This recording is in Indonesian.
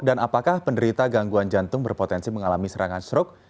dan apakah penderita gangguan jantung berpotensi mengalami serangan strok